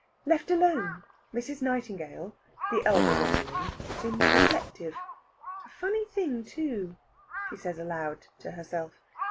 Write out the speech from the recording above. Left alone, Mrs. Nightingale, the elder Rosalind, seems reflective. "A funny thing, too!" she says aloud to herself.